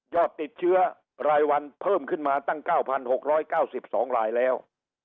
ติดเชื้อรายวันเพิ่มขึ้นมาตั้ง๙๖๙๒รายแล้ว